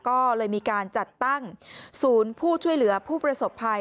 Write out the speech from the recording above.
ก็เลยมีการจัดตั้งศูนย์ผู้ช่วยเหลือผู้ประสบภัย